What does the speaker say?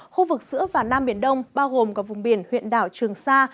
khu vực giữa và nam biển đông bao gồm cả vùng biển huyện đảo trường sa